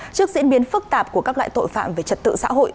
trước diễn biến phức tạp của các loại tội phạm về trật tự xã hội